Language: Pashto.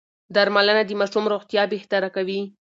درملنه د ماشوم روغتيا بهتره کوي.